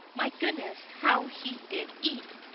My goodness, how he did eat!